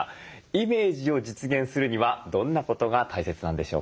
イメージを実現するにはどんなことが大切なんでしょうか。